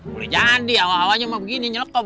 boleh jadi awalnya mau begini nyelekob